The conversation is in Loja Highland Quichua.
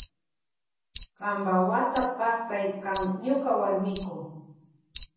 Kampa wata paktay kan ñuka warmiku.